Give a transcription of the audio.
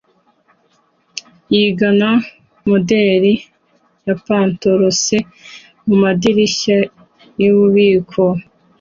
yigana moderi ya pantarose mumadirishya yububiko